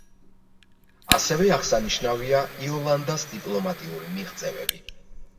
ასევე აღსანიშნავია იოლანდას დიპლომატიური მიღწევები.